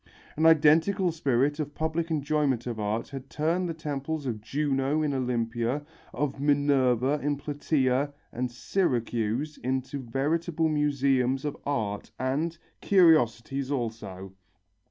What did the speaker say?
An identical spirit of public enjoyment of art had turned the temples of Juno in Olympia, of Minerva in Platæa and Syracuse into veritable museums of art and curiosities also.